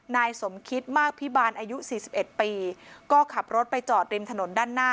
นายสมคิดมากพิบาลอายุสี่สิบเอ็ดปีก็ขับรถไปจอดริมถนนด้านหน้า